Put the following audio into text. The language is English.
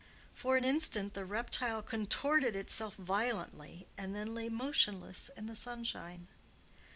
For an instant the reptile contorted itself violently, and then lay motionless in the sunshine.